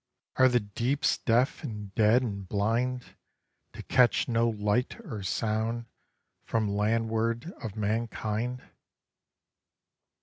Are the deeps deaf and dead and blind, To catch no light or sound from landward of mankind?